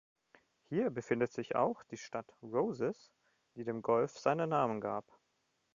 Hier befindet sich auch die Stadt Roses, die dem Golf seinen Namen gab.